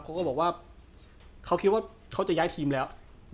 เขาก็บอกว่าเขาคิดว่าเขาจะย้ายทีมแล้ว